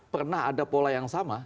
pernah ada pola yang sama